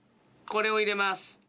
これを入れます。